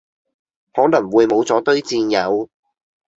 可能會無咗堆戰友